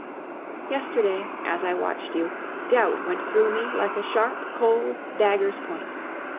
Yesterday, as I watched you, doubt went through me like a sharp, cold dagger's point.